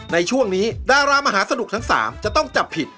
ในช่วงนี้ดารามหาสนุกทั้ง๓จะต้องจับผิด